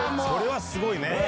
それはすごいね。